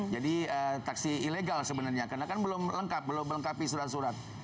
jadi taksi ilegal sebenarnya karena kan belum lengkap belum melengkapi surat surat